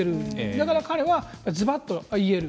だから彼は、ズバッと言える。